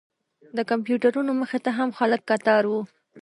د کمپیوټرونو مخې ته هم خلک کتار و.